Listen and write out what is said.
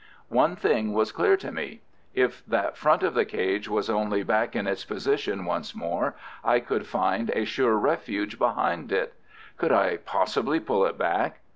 One thing was clear to me. If that front of the cage was only back in its position once more, I could find a sure refuge behind it. Could I possibly pull it back?